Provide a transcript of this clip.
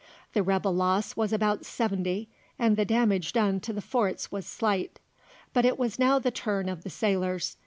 The rebel loss was about seventy, and the damage done to the forts was slight. But it was now the turn of the sailors.